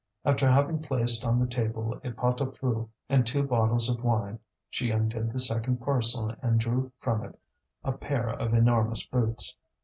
After having placed on the table a pot au feu and two bottles of wine, she undid the second parcel and drew from it a pair of enormous boots.